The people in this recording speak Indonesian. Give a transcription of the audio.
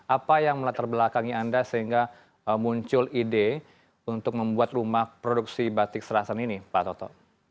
apa yang melatar belakangi anda sehingga muncul ide untuk membuat rumah produksi batik serasan ini pak toto